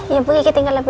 ya bu kita tinggal lagi